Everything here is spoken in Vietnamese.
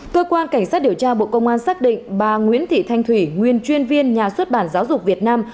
cơ quan cảnh sát điều tra bộ công an xác định bà nguyễn thị thanh thủy nguyên chuyên viên nhà xuất bản giáo dục việt nam